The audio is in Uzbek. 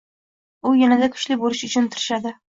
U yana-da kuchli boʻlish uchun tirishadi.